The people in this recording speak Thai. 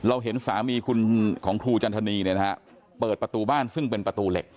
เห็นสามีคุณของครูจันทนีเนี่ยนะฮะเปิดประตูบ้านซึ่งเป็นประตูเหล็ก